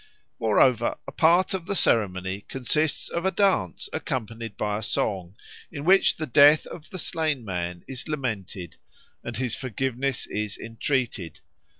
Moreover, a part of the ceremony consists of a dance accompanied by a song, in which the death of the slain man is lamented and his forgiveness is entreated.